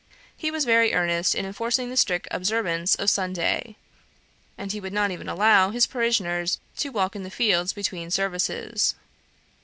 He was very earnest in enforcing the strict observance of Sunday; and would not even allow his parishioners to walk in the fields between services.